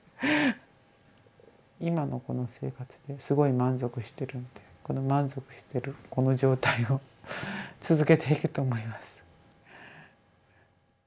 今のこの生活ですごい満足してるのでこの満足してるこの状態を続けていくと思います。